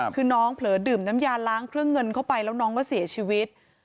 คือน้องเผลอดื่มน้ำยาล้างเครื่องเงินเข้าไปแล้วน้องก็เสียชีวิต